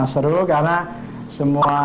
seru karena semua